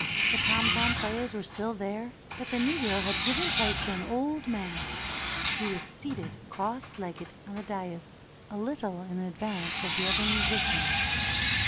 The tom tom players were still there, but the Negro had given place to an old man. He was seated cross legged on the dais, a little in advance of the other musicians.